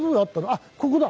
あっここだ！